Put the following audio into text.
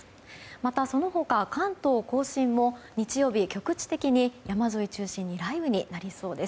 またその他、関東・甲信も日曜日は局地的に山沿いを中心に雷雨になりそうなんです。